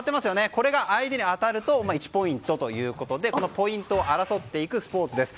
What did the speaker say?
これが相手に当たると１ポイントということでそのポイントを争っていくスポーツです。